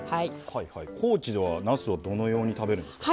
高知ではなすはどのように食べるんですか？